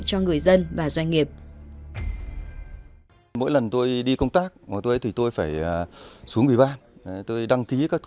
cho người dân và doanh nghiệp